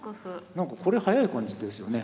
なんかこれ早い感じですよね。